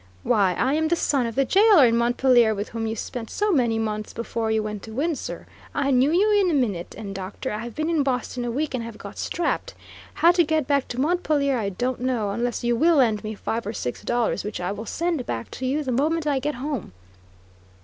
Why, I am the son of the jailer in Montpelier with whom you spent so many months before you went to Windsor; I knew you in a minute, and Doctor, I've been in Boston a week and have got 'strapped;' how to get back to Montpelier I don't know, unless you will lend me five or six dollars which I will send back to you the moment I get home."